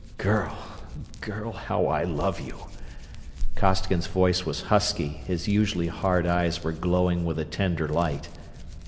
"Girl, girl, how I love you!" Costigan's voice was husky, his usually hard eyes were glowing with a tender light.